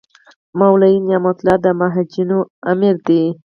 مولوي نعمت الله د مجاهدینو امیر دی.